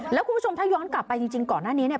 แล้วคุณผู้ชมถ้าย้อนกลับไปจริงก่อนหน้านี้เนี่ย